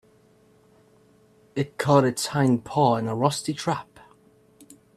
It caught its hind paw in a rusty trap.